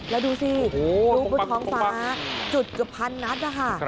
แล้วดูสิลูกบนท้องฟ้าจุดเกือบพันนัดนะคะ